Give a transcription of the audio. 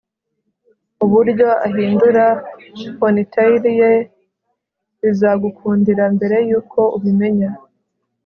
uburyo ahindura ponytail ye bizagukundira mbere yuko ubimenya